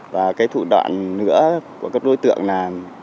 và cái thủ đoạn nữa của các đối tượng là